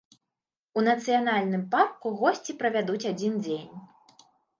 У нацыянальным парку госці правядуць адзін дзень.